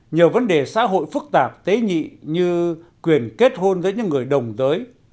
nhờ vấn đề xã hội phức tạp tế nhị như quyền kết hôn với những người đồng giới